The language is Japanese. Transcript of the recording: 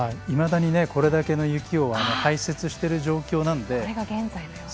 いまだにこれだけの雪を排せつしてる状況なので。